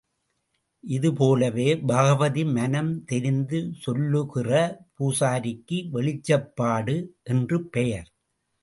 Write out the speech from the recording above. இது போலவே பகவதி மனம் தெரிந்து சொல்லுகிற பூசாரிக்கு வெளிச்சப்பாடு என்று பெயர்.